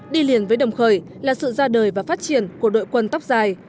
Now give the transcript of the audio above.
đi liền với đồng khởi là sự ra đời và phát triển của đội quân tóc dài